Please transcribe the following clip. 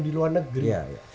di luar negeri